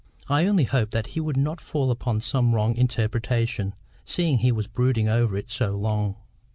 I only hoped that he would not fall upon some wrong interpretation, seeing he was brooding over it so long.